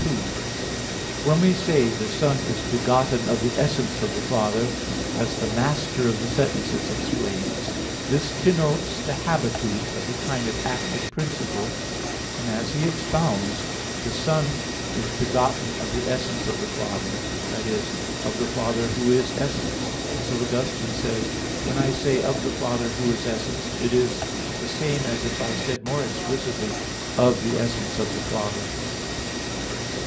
2: When we say the Son is begotten of the essence of the Father, as the Master of the Sentences explains (Sent. i, D, v), this denotes the habitude of a kind of active principle, and as he expounds, "the Son is begotten of the essence of the Father" that is, of the Father Who is essence; and so Augustine says (De Trin. xv, 13): "When I say of the Father Who is essence, it is the same as if I said more explicitly, of the essence of the Father."